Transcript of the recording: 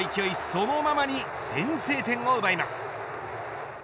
そのままに先制点を奪います。